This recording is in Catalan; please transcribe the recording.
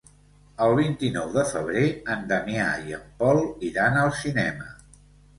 El vint-i-nou de febrer en Damià i en Pol iran al cinema.